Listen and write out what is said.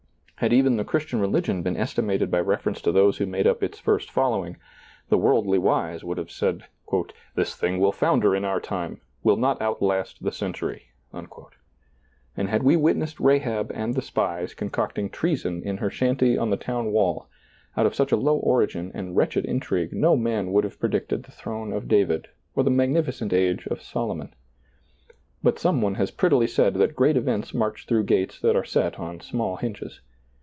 Had even the Christian religion been estimated by reference to those who made up its first following, the worldly wise would have said: "This thing will founder in our time ; will not outlast the century." And had we witnessed Rahab and the spies con cocting treason in her shanty on the town wall, out of such a low origin and wretched intrigue no man would have predicted the throne of David or the magnificent age of Solomon. But some one has prettily said that great events march through soiizccb, Google 46 SEEING DARKLY gates that are set on small hinges.